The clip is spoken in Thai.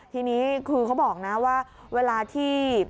ทีนี้คือเขาบอกนะว่าเวลาที่